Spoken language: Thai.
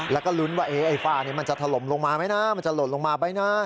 แล้วก็ลุ้นว่าไอ้ฝ้ามันจะถล่มลงมาไหมนะมันจะหล่นลงมาไหมนะ